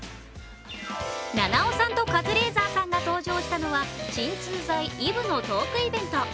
菜々緒さんとカズレーザーさんが登場したのは鎮痛剤ＥＶＥのトークイベント。